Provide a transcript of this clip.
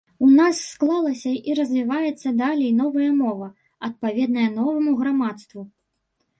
У нас склалася і развіваецца далей новая мова, адпаведная новаму грамадству.